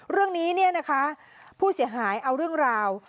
เรื่องนี้เนี่ยนะคะผู้เสียหายเอาเรื่องราว